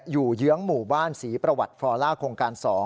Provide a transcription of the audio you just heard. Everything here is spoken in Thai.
เยื้องหมู่บ้านศรีประวัติฟอลล่าโครงการ๒